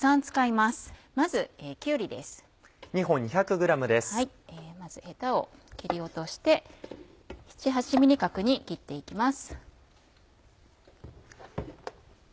まずヘタを切り落として７８ｍｍ角に切って行きます。